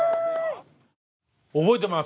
覚えてます